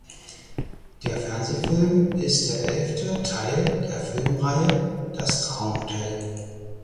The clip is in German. Der Fernsehfilm ist der elfte Teil der Filmreihe "Das Traumhotel".